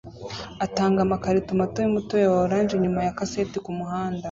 atanga amakarito mato yumutobe wa orange inyuma ya kaseti kumuhanda